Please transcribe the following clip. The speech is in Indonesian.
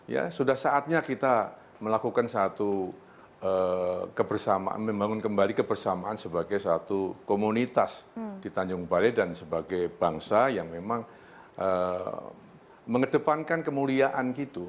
ya sudah saatnya kita melakukan satu kebersamaan membangun kembali kebersamaan sebagai satu komunitas di tanjung balai dan sebagai bangsa yang memang mengedepankan kemuliaan gitu